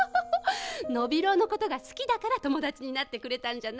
ノビローのことがすきだから友だちになってくれたんじゃない。